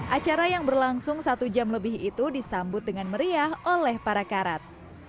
acara yang berlangsung satu jam lebih itu disambut dengan meriah oleh para karat